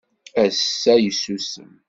Ass-a yessusem.